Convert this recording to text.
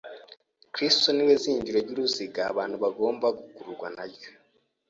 Kristo ni we zingiro ry’uruziga abantu bagombye gukururwa na ryo;